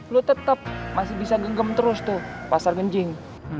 lu tetep masih bisa genggam terus tuh pasar genjing